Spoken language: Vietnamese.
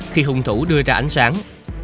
khi hung thủ đưa ra ánh sáng